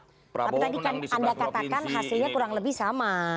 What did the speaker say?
tapi tadi kan anda katakan hasilnya kurang lebih sama